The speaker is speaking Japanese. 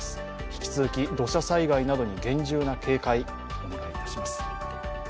引き続き、土砂災害などに厳重な警戒をお願いします。